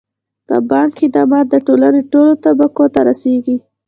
د بانک خدمات د ټولنې ټولو طبقو ته رسیږي.